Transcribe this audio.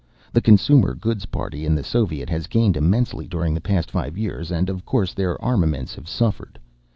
The consumer goods party in the Soviet has gained immensely during the past five years and of course their armaments have suffered.